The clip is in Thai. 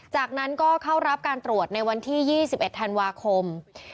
จากนั้นก็เข้ารับการตรวจในวันที่๒๑ธันวาคม